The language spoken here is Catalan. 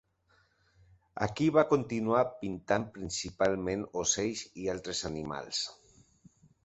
Aquí va continuar pintant, principalment ocells i altres animals.